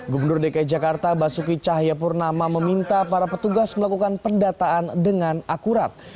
gubernur dki jakarta basuki cahayapurnama meminta para petugas melakukan pendataan dengan akurat